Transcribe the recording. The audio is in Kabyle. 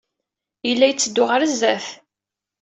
Yella yetteddu ɣer sdat.